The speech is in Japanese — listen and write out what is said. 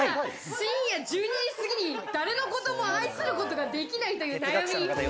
深夜１２時過ぎに誰のことも愛することができないという悩み。